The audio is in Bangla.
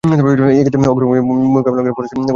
এক্ষেত্রে অগ্রগামী ভূমিকা পালন করে ফরাসী এবং ইংরেজরা।